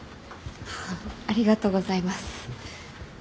ありがとうございます。